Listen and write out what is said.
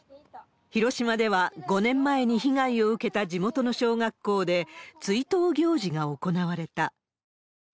広島では、５年前に被害を受けた地元の小学校で、追悼行事が行われた。